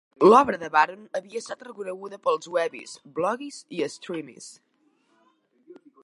L'obra de Baron havia estat reconeguda pels Webbys, Vloggies i Streamys.